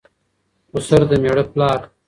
خسر دمېړه پلار